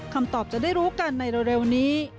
คำตอบจะได้รู้กันในเร็วนี้